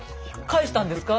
返したんですか？